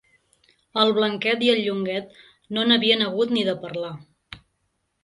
El Blanquet i el Llonguet no n'havien hagut ni de parlar.